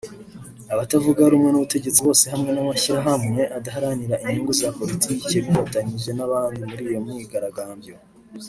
Abatavuga rumwe n’ubutegetsi bose hamwe n’amashyirahamwe adaharanira inyungu za politike bifatanyije n’abandi mur’iyo myigaragambyo